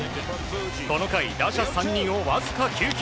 この回、打者３人をわずか９球。